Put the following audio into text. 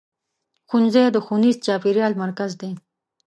ښوونځی د ښوونیز چاپېریال مرکز دی.